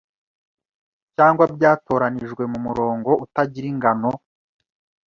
Cyangwa, byatoranijwe mumurongo utagira ingano?